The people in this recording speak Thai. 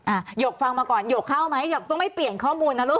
หยกฟังมาก่อนหยกเข้าไหมหยกต้องไม่เปลี่ยนข้อมูลนะลูก